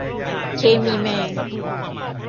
เคมีแมน